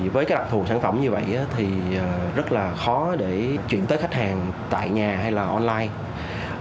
với cái đặc thù sản phẩm như vậy thì rất là khó để chuyển tới khách hàng tại nhà hay là online